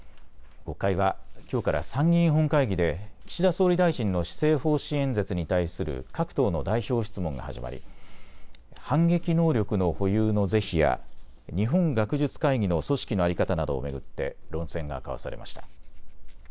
国会はきょうから参議院本会議で岸田総理大臣の施政方針演説に対する各党の代表質問が始まり反撃能力の保有の是非や日本学術会議の組織の在り方などを巡って論戦が交わされました。